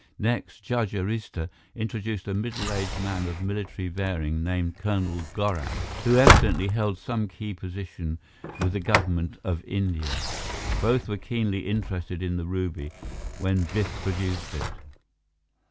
Next, Judge Arista introduced a middle aged man of military bearing named Colonel Gorak, who evidently held some key position with the government of India. Both were keenly interested in the ruby when Biff produced it.